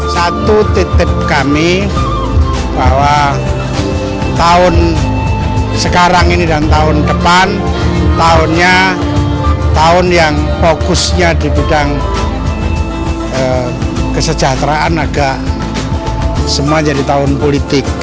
satu titip kami bahwa tahun sekarang ini dan tahun depan tahun yang fokusnya di bidang kesejahteraan agak semua jadi tahun politik